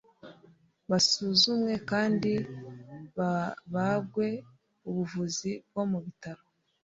basuzumwe kandi babagwe ubuvuzi bwo mu bitaro